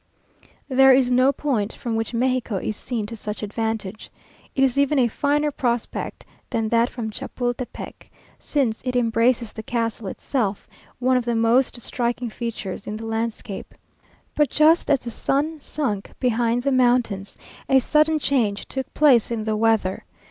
There is no point from which Mexico is seen to such advantage. It is even a finer prospect than that from Chapultepec, since it embraces the castle itself, one of the most striking features in the landscape. But just as the sun sunk behind the mountains, a sudden change took place in the weather.